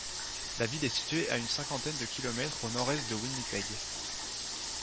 La ville est située à une cinquantaine de kilomètres au nord-est de Winnipeg.